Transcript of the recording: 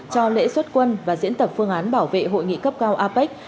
cho lễ xuất quân và diễn tập phương án bảo vệ hội nghị cấp cao apec